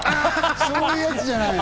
そういうやつじゃない？